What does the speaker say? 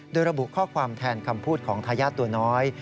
โดยระบุข้อความแทนคำพูดของทายาทตัวน้อย